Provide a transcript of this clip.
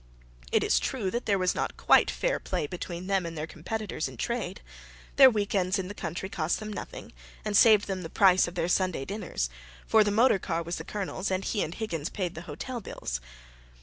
It is true that there was not quite fair play between them and their competitors in trade. Their week ends in the country cost them nothing, and saved them the price of their Sunday dinners; for the motor car was the Colonel's; and he and Higgins paid the hotel bills.